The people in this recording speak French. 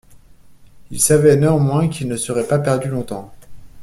Il savait néanmoins qu’il ne serait pas perdu longtemps.